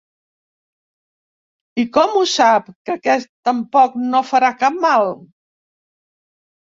I com ho sap, que aquest tampoc no farà cap mal?